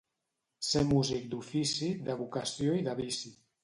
Ser músic d'ofici, de vocació i de vici.